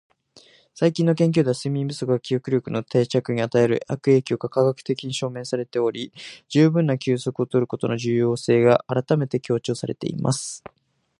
「最新の研究では、睡眠不足が記憶力の定着に与える悪影響が科学的に証明されており、十分な休息を取ることの重要性が改めて強調されています。」